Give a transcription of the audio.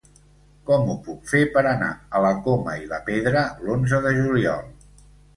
Com ho puc fer per anar a la Coma i la Pedra l'onze de juliol?